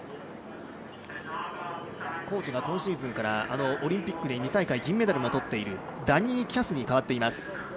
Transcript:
コーチが今シーズンからオリンピックで２大会銀メダルをとっているダニー・キャスに変わっています。